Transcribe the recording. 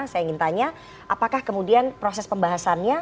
saya ingin tanya apakah kemudian proses pembahasannya